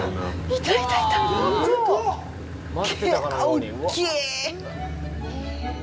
大きい！